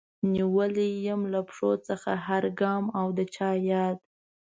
نيولی يم له پښو څخه هر ګام او د چا ياد